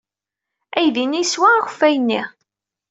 Aydi-nni yeswa akeffay-nni.